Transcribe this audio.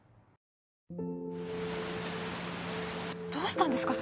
どうしたんですか？